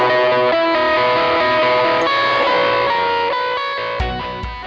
เพื่อคนไทย